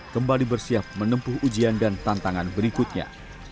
kembali bersiap menempuh ujian dan tantangan berikutnya